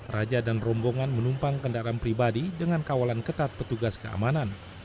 raja dan rombongan menumpang kendaraan pribadi dengan kawalan ketat petugas keamanan